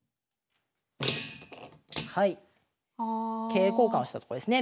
桂交換をしたとこですね。